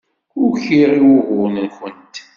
Ukiɣ i wugur-nwent.